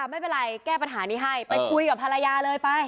ไม่เป็นไรแก้ปัญหานี้ให้ไปคุยกับภรรยาเลยไป